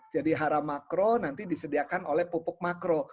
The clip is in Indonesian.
jadi hara makro nanti disediakan oleh pupuk makro